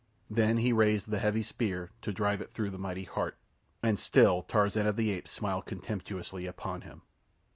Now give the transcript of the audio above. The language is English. Then he raised the heavy spear to drive it through the mighty heart, and still Tarzan of the Apes smiled contemptuously upon him.